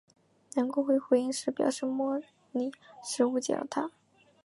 梁国辉回应时表示莫礼时误解了他。